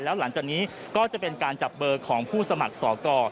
แล้วหลังจากนี้ก็จะเป็นการจับเบอร์ของผู้สมัครสอกร